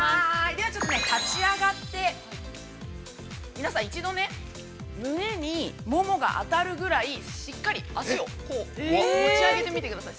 ◆では立ち上がって、皆さん、一度ね、胸にももが当たるぐらいしっかり脚をこう、持ち上げてみてください。